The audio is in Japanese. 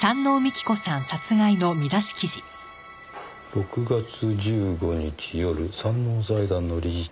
「６月１５日夜山王財団の理事長